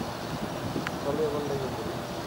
চল এবার লেগে পড়ি।